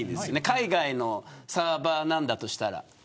海外のサーバーなんだとしたら。